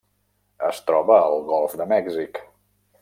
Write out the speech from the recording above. Es troba al golf de Mèxic.